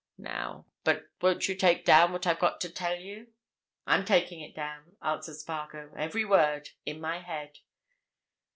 Now—but won't you take down what I've got to tell you?" "I am taking it down," answered Spargo. "Every word. In my head."